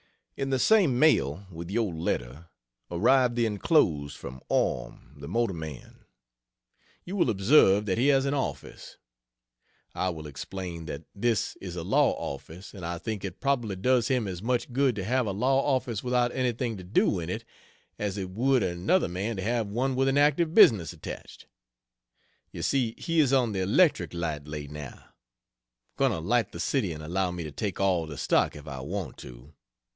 In the same mail with your letter, arrived the enclosed from Orme the motor man. You will observe that he has an office. I will explain that this is a law office and I think it probably does him as much good to have a law office without anything to do in it, as it would another man to have one with an active business attached. You see he is on the electric light lay now. Going to light the city and allow me to take all the stock if I want to.